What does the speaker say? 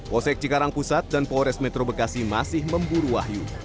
posek cikarang pusat dan polres metro bekasi masih memburu wahyu